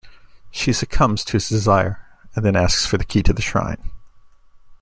She succumbs to his desire, and then asks for the key to the shrine.